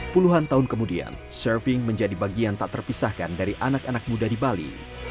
puluhan tahun kemudian surfing menjadi bagian tak terpisahkan dari anak anak muda di bali